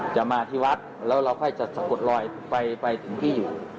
จะมาที่วัดแล้วเราก็จะสะกดลอยไปถึงที่อยู่